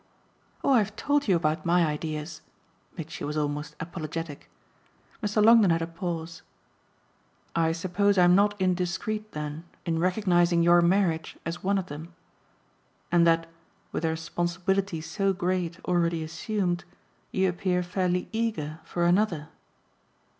"Oh I've told you about my ideas." Mitchy was almost apologetic. Mr. Longdon had a pause. "I suppose I'm not indiscreet then in recognising your marriage as one of them. And that, with a responsibility so great already assumed, you appear fairly eager for another